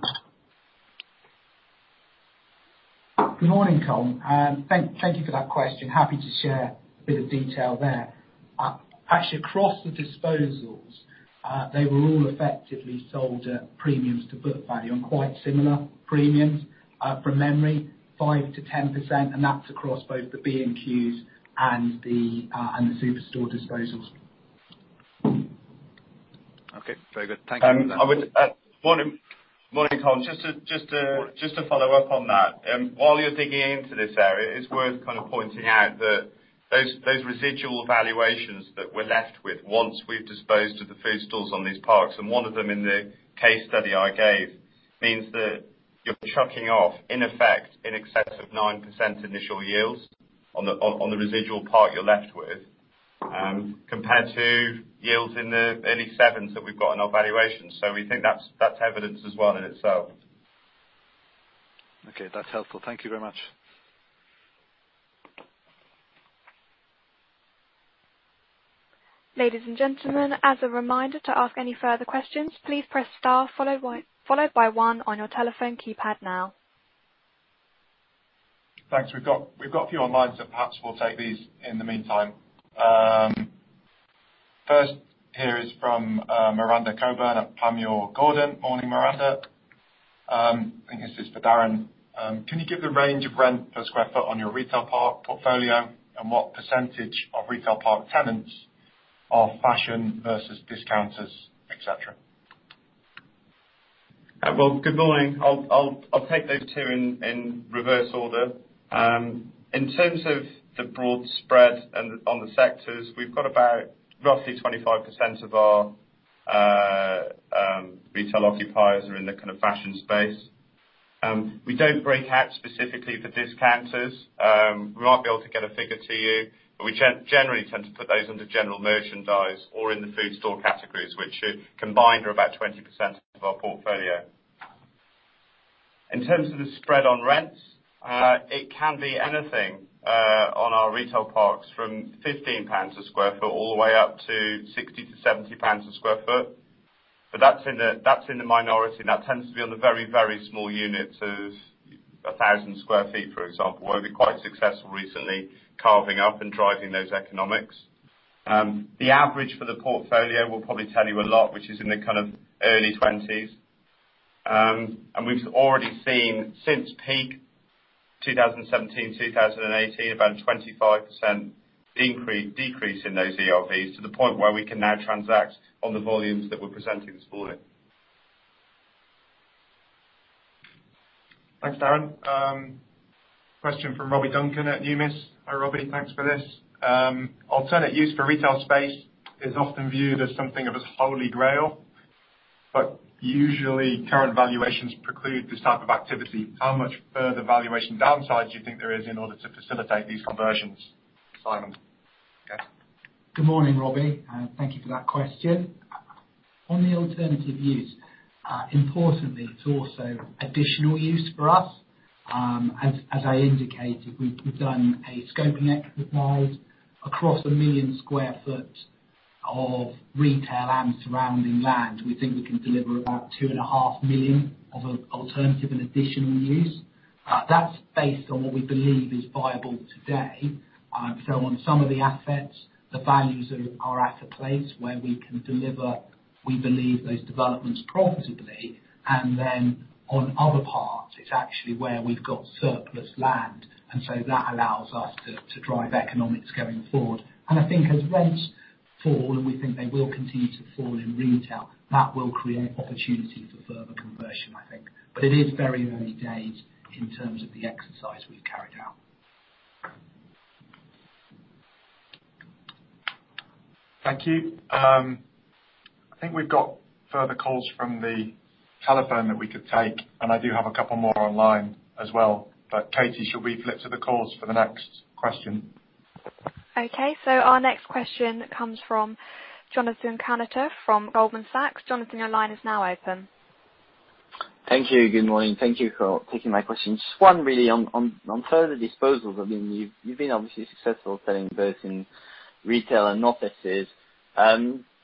Good morning, Colm, and thank you for that question. Happy to share a bit of detail there. Actually, across the disposals, they were all effectively sold at premiums to book value on quite similar premiums. From memory, 5%-10%, and that's across both the B&Q and the super store disposals. Okay. Very good. Thank you for that. Morning, Colm. Just to follow up on that. While you're digging into this area, it's worth kind of pointing out that those residual valuations that we're left with once we've disposed of the food stores on these parks, and one of them in the case study I gave, means that you're chucking off, in effect, in excess of 9% initial yields on the residual part you're left with, compared to yields in the early sevens that we've got in our valuation. We think that's evidence as well in itself. Okay. That's helpful. Thank you very much. Ladies and gentlemen, as a reminder to ask any further questions, please press star followed by one on your telephone keypad now. Thanks. We've got a few online. Perhaps we'll take these in the meantime. First here is from Miranda Cockburn at Panmure Gordon. Morning, Miranda. I think this is for Darren. Can you give the range of rent per square foot on your retail park portfolio and what percentage of retail park tenants are fashion versus discounters, et cetera? Good morning. I'll take those two in reverse order. In terms of the broad spread on the sectors, we've got about roughly 25% of our retail occupiers are in the fashion space. We don't break out specifically for discounters. We might be able to get a figure to you, but we generally tend to put those under general merchandise or in the food store categories, which combined are about 20% of our portfolio. In terms of the spread on rents, it can be anything on our retail parks from 15 pounds a sq ft all the way up to 60-70 pounds a sq ft. That's in the minority, and that tends to be on the very, very small units of 1,000 sq ft, for example, where we're quite successful recently carving up and driving those economics. The average for the portfolio will probably tell you a lot, which is in the early 20s. We've already seen since peak 2017, 2018, about a 25% decrease in those ERVs to the point where we can now transact on the volumes that we're presenting this morning. Thanks, Darren. Question from Robbie Duncan at Numis. Hi, Robbie. Thanks for this. Alternate use for retail space is often viewed as something of a Holy Grail. Usually current valuations preclude this type of activity. How much further valuation downside do you think there is in order to facilitate these conversions, Simon? Okay. Good morning, Robbie, and thank you for that question. On the alternative use, importantly, it's also additional use for us. As I indicated, we've done a scoping exercise across 1 million sq ft of retail and surrounding land. We think we can deliver about 2.5 million of alternative and additional use. That's based on what we believe is viable today. On some of the assets, the values are at a place where we can deliver, we believe, those developments profitably, and then on other parts, it's actually where we've got surplus land. That allows us to drive economics going forward. I think as rents fall, and we think they will continue to fall in retail, that will create opportunity for further conversion, I think. It is very early days in terms of the exercise we've carried out. Thank you. I think we've got further calls from the telephone that we could take. I do have a couple more online as well. Katie, should we flip to the calls for the next question? Okay. Our next question comes from Jonathan Kownator from Goldman Sachs. Jonathan, your line is now open. Thank you. Good morning. Thank you for taking my question. Just one really on further disposals. I mean, you've been obviously successful selling both in retail and offices.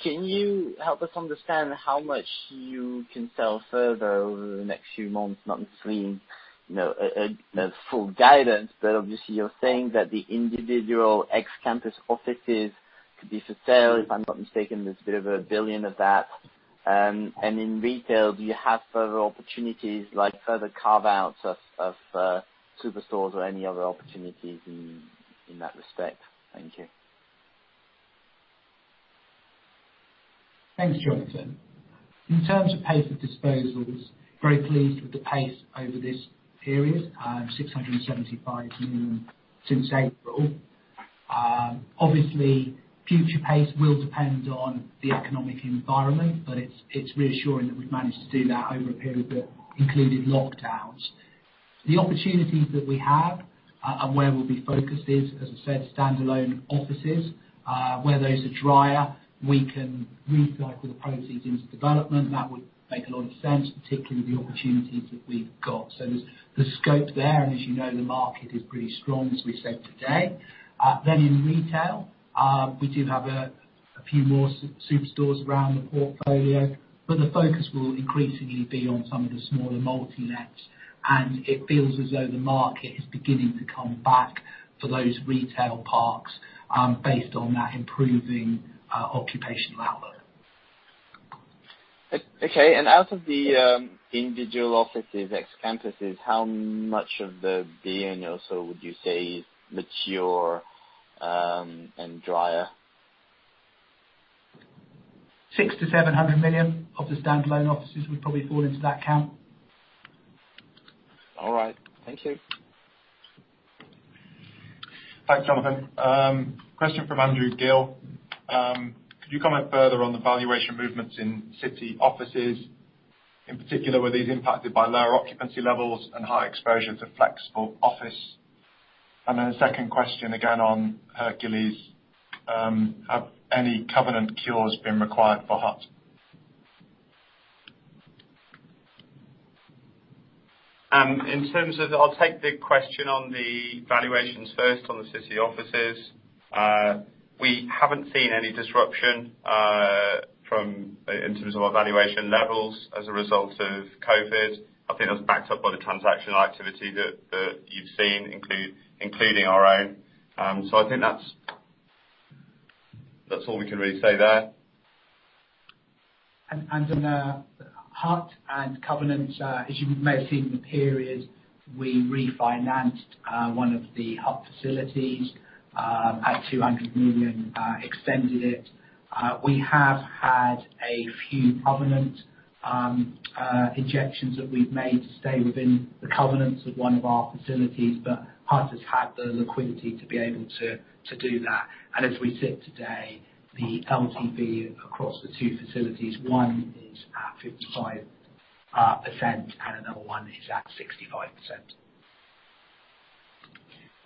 Can you help us understand how much you can sell further over the next few months? Obviously you're saying that the individual ex-campus offices could be for sale. If I'm not mistaken, there's a bit of 1 billion of that. In retail, do you have further opportunities like further carve-outs of super stores or any other opportunities in that respect? Thank you. Thanks, Jonathan. In terms of pace of disposals, very pleased with the pace over this period, 675 million since April. Obviously, future pace will depend on the economic environment, but it's reassuring that we've managed to do that over a period that included lockdowns. The opportunities that we have, and where we'll be focused is, as I said, standalone offices. Where those are drier, we can recycle the proceeds into development, and that would make a lot of sense, particularly with the opportunities that we've got. There's the scope there, and as you know, the market is pretty strong, as we've said today. In retail, we do have a few more superstores around the portfolio, but the focus will increasingly be on some of the smaller multi-lets. It feels as though the market is beginning to come back for those retail parks based on that improving occupational outlook. Okay. Out of the individual offices ex campuses, how much of the 1 billion or so would you say is mature and drier? 600 million-700 million of the standalone offices would probably fall into that camp. All right. Thank you. Thanks, Jonathan. Question from Andrew Gill. Could you comment further on the valuation movements in city offices? In particular, were these impacted by lower occupancy levels and high exposure to flexible office? Then a second question again on Hercules. Have any covenant cures been required for HUT? In terms of I'll take the question on the valuations first on the city offices. We haven't seen any disruption in terms of our valuation levels as a result of COVID. I think that's backed up by the transactional activity that you've seen, including our own. I think that's all we can really say there. On HUT and covenants, as you may have seen in the period, we refinanced one of the HUT facilities at 200 million, extended it. We have had a few covenant injections that we've made to stay within the covenants of one of our facilities, but HUT has had the liquidity to be able to do that. As we sit today, the LTV across the two facilities, one is at 55%, and another one is at 65%.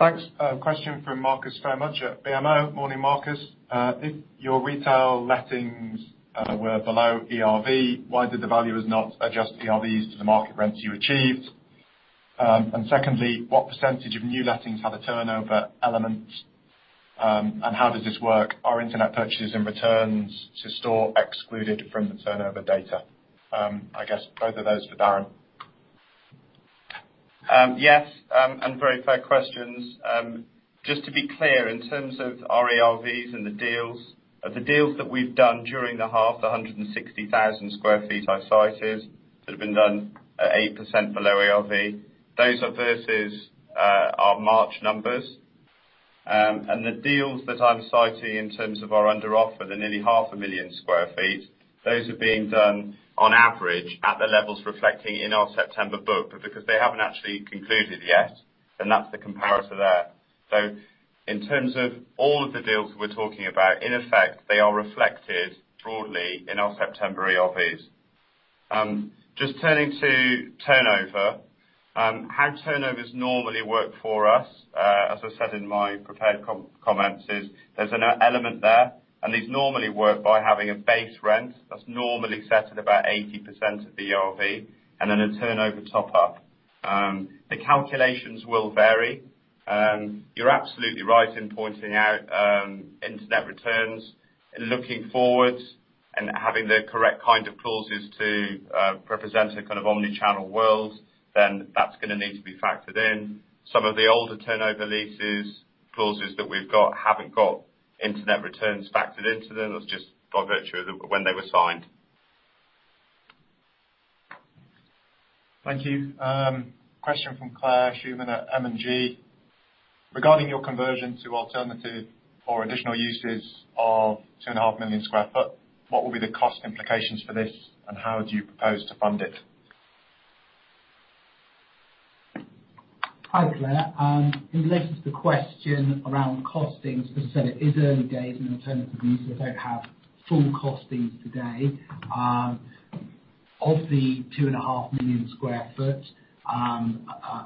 Thanks. Question from Marcus Phayre-Mudge, at BMO. Morning, Marcus. If your retail lettings were below ERV, why did the valuers not adjust ERVs to the market rents you achieved? Secondly, what percentage of new lettings have a turnover element, and how does this work? Are internet purchases and returns to store excluded from the turnover data? I guess both of those for Darren. Yes, very fair questions. Just to be clear, in terms of our ERVs and the deals, the deals that we've done during the half, the 160,000 sq ft I cited, that have been done at 8% below ERV, those are versus our March numbers. The deals that I'm citing in terms of our under offer, the nearly half a million sq ft, those are being done on average at the levels reflecting in our September book, but because they haven't actually concluded yet, then that's the comparison there. In terms of all of the deals we're talking about, in effect, they are reflected broadly in our September ERVs. Just turning to turnover. How turnovers normally work for us, as I said in my prepared comments, is there's an element there, and these normally work by having a base rent that's normally set at about 80% of the ERV, and then a turnover top-up. The calculations will vary. You're absolutely right in pointing out internet returns. Looking forwards and having the correct kind of clauses to represent a kind of omni-channel world, then that's going to need to be factored in. Some of the older turnover leases clauses that we've got haven't got internet returns factored into them. That's just by virtue of when they were signed. Thank you. Question from Colette Ord at M&G. Regarding your conversion to alternative or additional uses of 2.5 million sq ft, what will be the cost implications for this, and how do you propose to fund it? Hi, Colette. In relation to the question around costings, as I said, it is early days in alternative use. We don't have full costings today. Of the 2.5 million sq ft,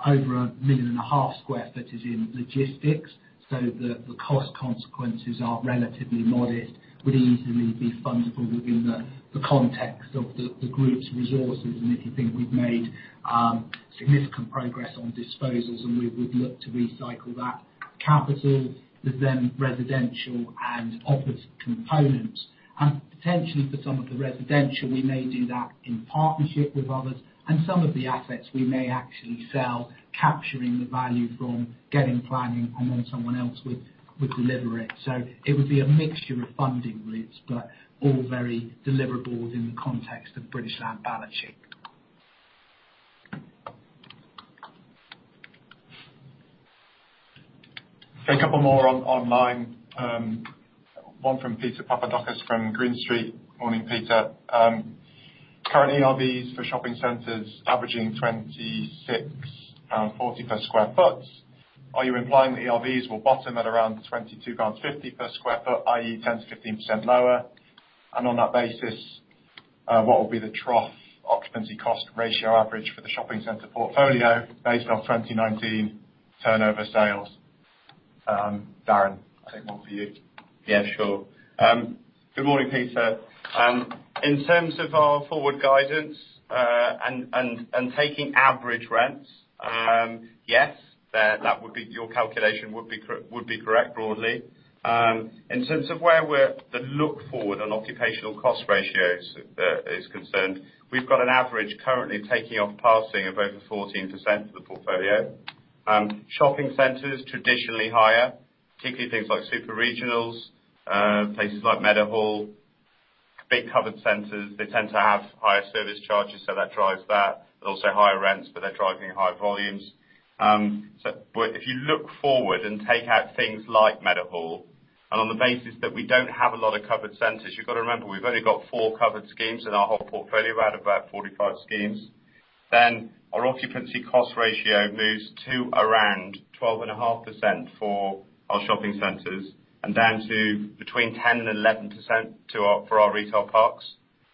over 1.5 million sq ft is in logistics, so the cost consequences are relatively modest. It would easily be fundable within the context of the group's resources, and if you think we've made significant progress on disposals, and we would look to recycle that capital. There's residential and office components. Potentially for some of the residential, we may do that in partnership with others. Some of the assets we may actually sell, capturing the value from getting planning and then someone else would deliver it. It would be a mixture of funding routes, but all very deliverable in the context of British Land balance sheet. Okay, a couple more online. One from Peter Papadakos from Green Street. Morning, Peter. Current ERVs for shopping centers averaging 26.40 per sq ft. Are you implying that ERVs will bottom at around 22.50 pounds per sq ft, i.e., 10%-15% lower? On that basis, what will be the trough occupancy cost ratio average for the shopping center portfolio based on 2019 turnover sales? Darren, I think one for you. Yeah, sure. Good morning, Peter. In terms of our forward guidance and taking average rents, yes, your calculation would be correct, broadly. In terms of where the look forward on occupational cost ratios is concerned, we've got an average currently taking off passing of over 14% for the portfolio. Shopping centers traditionally higher, particularly things like super regionals, places like Meadowhall, big covered centers, they tend to have higher service charges, so that drives that. Also higher rents, but they're driving high volumes. If you look forward and take out things like Meadowhall, and on the basis that we don't have a lot of covered centers, you've got to remember, we've only got four covered schemes in our whole portfolio out of about 45 schemes. Our occupancy cost ratio moves to around 12.5% for our shopping centers and down to between 10% and 11% for our retail parks.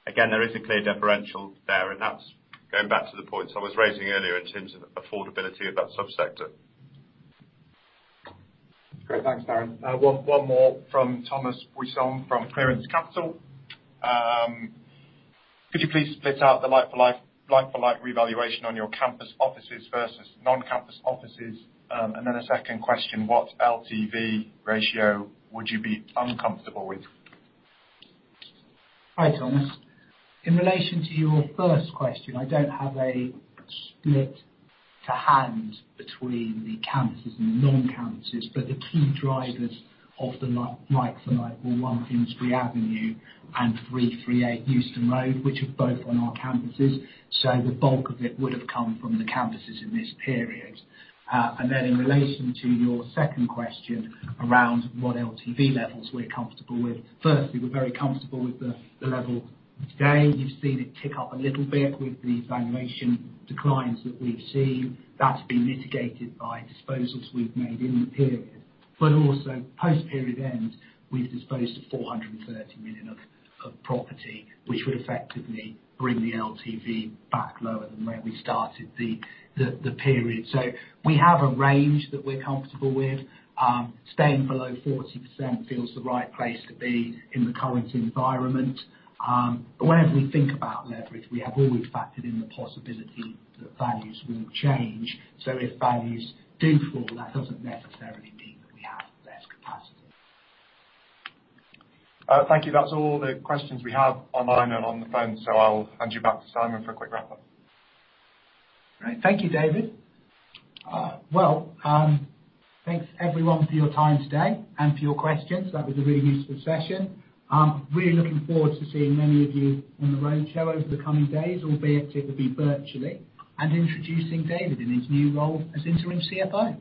There is a clear differential there, and that's going back to the points I was raising earlier in terms of affordability of that subsector. Great. Thanks, Darren. One more from Tom Musson from Clearance Capital. Could you please split out the like-for-like revaluation on your campus offices versus non-campus offices? A second question, what LTV ratio would you be uncomfortable with? Hi, Thomas. In relation to your first question, I don't have a split to hand between the campuses and non-campuses, but the key drivers of the like-for-like were 1 Finsbury Avenue and 338 Euston Road, which are both on our campuses. Then in relation to your second question around what LTV levels we're comfortable with. Firstly, we're very comfortable with the level today. You've seen it tick up a little bit with the valuation declines that we've seen. That's been mitigated by disposals we've made in the period, but also post-period end, we've disposed of 430 million of property, which would effectively bring the LTV back lower than where we started the period. We have a range that we're comfortable with. Staying below 40% feels the right place to be in the current environment. Whenever we think about leverage, we have always factored in the possibility that values will change. If values do fall, that doesn't necessarily mean that we have less capacity. Thank you. That's all the questions we have online and on the phone. I'll hand you back to Simon for a quick wrap-up. Great. Thank you, David. Well, thanks, everyone, for your time today and for your questions. That was a really useful session. Really looking forward to seeing many of you on the roadshow over the coming days, albeit it'll be virtually, and introducing David in his new role as interim CFO.